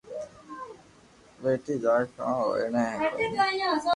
ٻيئي جا ڪون ھوڻي ڪوئي ني